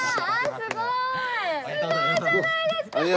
すごいじゃないですか！